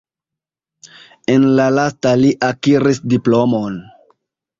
En la lasta li akiris diplomon.